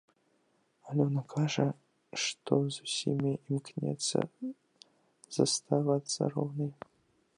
Алёна кажа, што з усімі імкнецца заставацца роўнай.